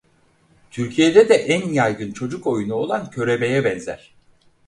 Türkiye'de de en yaygın çocuk oyunu olan Körebeye benzer.